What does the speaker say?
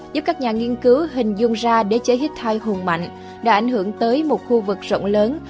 giúp các nhà nghiên cứu hình dung ra đế chế hittite hùng mạnh đã ảnh hưởng tới một khu vực rộng lớn